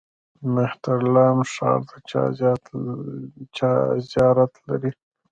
مهترلام ښار د چا زیارت لري؟